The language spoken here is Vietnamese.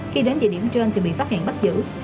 khi đến địa điểm trên thì bị phát hiện bắt giữ